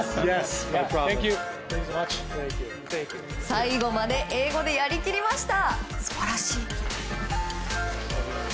最後まで英語でやりきりました。